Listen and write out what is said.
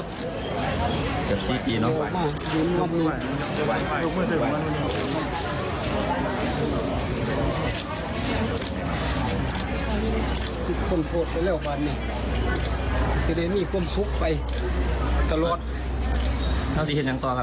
แบบนี้อีกครั้งค่ะ